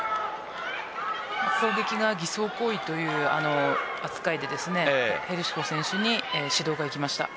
攻撃が偽装行為という扱いでヘルシュコ選手に指導がいきました。